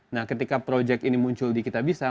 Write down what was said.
nah ketika proyek ini muncul di kitabisa